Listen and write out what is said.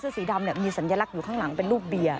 สีดำมีสัญลักษณ์อยู่ข้างหลังเป็นรูปเบียร์